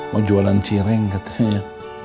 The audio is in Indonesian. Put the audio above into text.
mau jualan cireng katanya